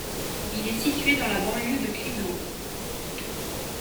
Il est situé dans la banlieue de Cleveland.